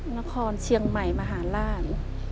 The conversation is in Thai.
นครเชียงใหม่มหาราช